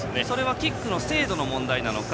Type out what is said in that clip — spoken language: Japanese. キックの精度の問題なのか